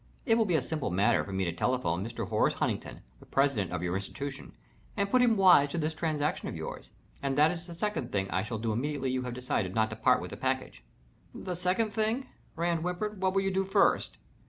"It will be a simple matter for me to telephone Mr. Horace Huntington, the president of your institution, and put him wise to this transaction of yours, and that is the second thing I shall do immediately you have decided not to part with that package." "The second thing?" Rand whimpered. "What will you do first?"